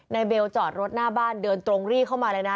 เบลจอดรถหน้าบ้านเดินตรงรีเข้ามาเลยนะ